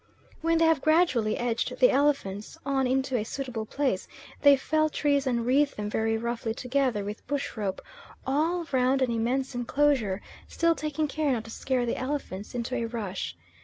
When they have gradually edged the elephants on into a suitable place, they fell trees and wreathe them very roughly together with bush rope, all round an immense enclosure, still taking care not to scare the elephants into a rush.